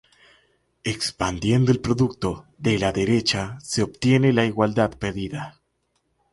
Expandiendo el producto de la derecha se obtiene la igualdad pedida.